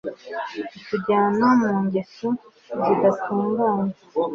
kutujyana mu ngeso zidatunganye